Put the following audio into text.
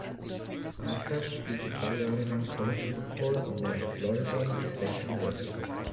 Akers spielte drei Jahre lang College Football an der Florida State University.